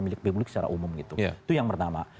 milik publik secara umum gitu itu yang pertama